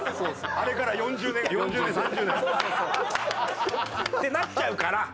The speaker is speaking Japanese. あれから４０年４０年３０年。ってなっちゃうから。